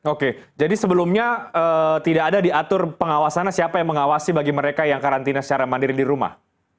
oke jadi sebelumnya tidak ada diatur pengawasannya siapa yang mengawasi bagi mereka yang karantina secara mandiri di rumah